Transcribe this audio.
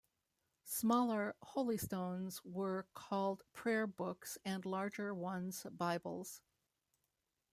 Smaller holystones were called "prayer books" and larger ones "Bibles".